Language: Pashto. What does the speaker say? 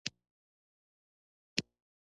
د لاس روغبړ مو سره وکړ.